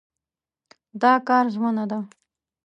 دا کار ژمنه ده.